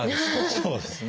そうですね。